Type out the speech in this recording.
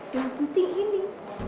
yang penting ini